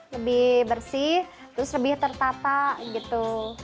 lebih bersih terus lebih tertata gitu